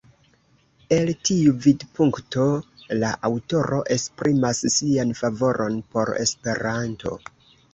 El tiu vidpunkto, la aŭtoro esprimas sian favoron por Esperanto.